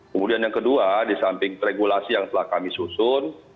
kemudian yang kedua di samping regulasi yang telah kami susun